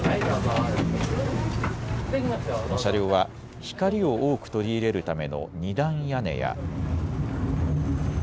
この車両は光を多く取り入れるための二段屋根や。